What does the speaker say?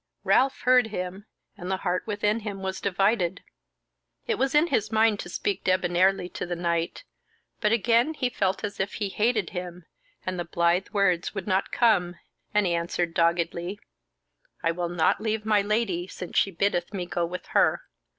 Ralph heard him, and the heart within him was divided. It was in his mind to speak debonnairely to the knight; but again he felt as if he hated him, and the blythe words would not come, and he answered doggedly: "I will not leave my Lady since she biddeth me go with her.